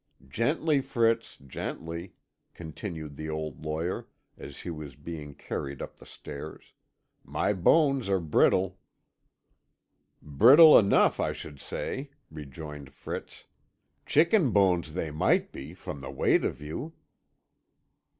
Gently, Fritz, gently," continued the old lawyer, as he was being carried up the stairs, "my bones are brittle." "Brittle enough I should say," rejoined Fritz; "chicken bones they might be from the weight of you."